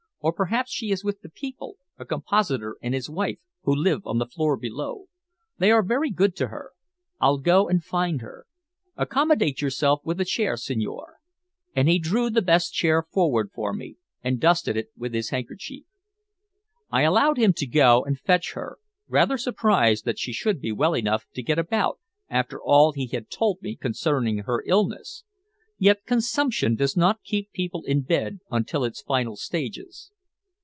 Or perhaps she is with the people, a compositor and his wife, who live on the floor below. They are very good to her. I'll go and find her. Accommodate yourself with a chair, signore." And he drew the best chair forward for me, and dusted it with his handkerchief. I allowed him to go and fetch her, rather surprised that she should be well enough to get about after all he had told me concerning her illness. Yet consumption does not keep people in bed until its final stages.